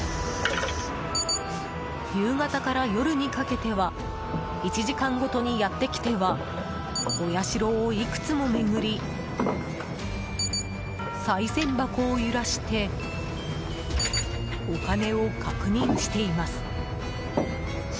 夕方から夜にかけては１時間ごとにやって来てはお社をいくつも巡りさい銭箱を揺らしてお金を確認しています。